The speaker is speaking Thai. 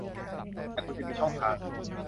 แต่คุณจะมีช่องทาง